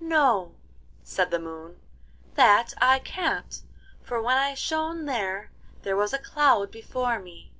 'No,' said the Moon, 'that I can't, for when I shone there, there was a cloud before me.